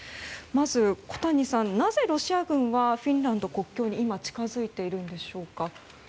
まず、小谷さん、なぜロシア軍はフィンランド国境に今、近づいているんでしょうか。